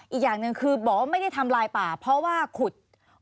อีกอย่างหนึ่งคือบอกว่าไม่ได้ทำลายป่าเพราะว่าขุด